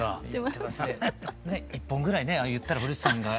１本ぐらいね言ったら堀内さんが。